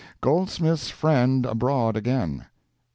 GOLDSMITH'S FRIEND ABROAD AGAIN.